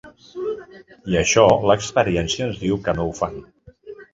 I això, l’experiència ens diu que no ho fan.